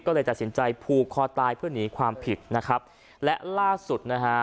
ก็เลยตัดสินใจผูกคอตายเพื่อหนีความผิดนะครับและล่าสุดนะฮะ